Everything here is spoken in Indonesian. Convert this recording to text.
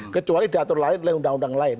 kecuali diatur lain oleh undang undang lain